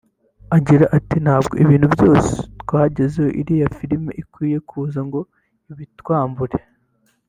Agira ati “Ntabwo ibintu byose twagezeho iriya filimi ikwiye kuza ngo ibitwambure